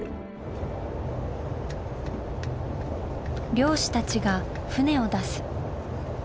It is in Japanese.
漁師たちが船を出す。